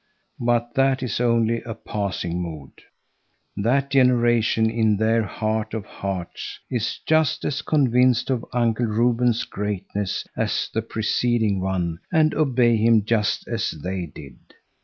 But that is only a passing mood. That generation in their heart of hearts is just as convinced of Uncle Reuben's greatness as the preceding one and obey him just as they did.